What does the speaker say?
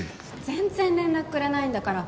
全然連絡くれないんだから。